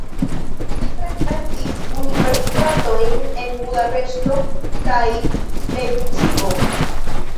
Li frekventis universitatojn en Budapeŝto kaj Lejpcigo.